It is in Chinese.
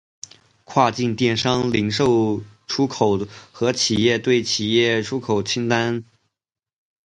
跨境电商零售出口和企业对企业出口清单